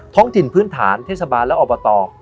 ท้องถิ่นพื้นฐานเทศบาลและอบต